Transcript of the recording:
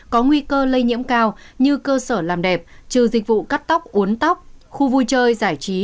có nguy cơ lây nhiễm cao như cơ sở làm đẹp trừ dịch vụ cắt tóc uốn tóc khu vui chơi giải trí